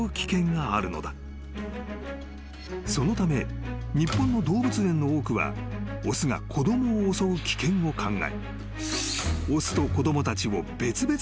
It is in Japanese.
［そのため日本の動物園の多くは雄が子供を襲う危険を考え］